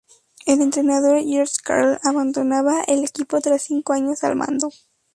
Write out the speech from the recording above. El entrenador, George Karl, abandonaba el equipo tras cinco años al mando.